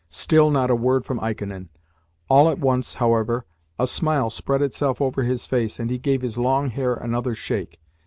Still not a word from Ikonin. All at once, however, a smile spread itself over his face, and he gave his long hair another shake.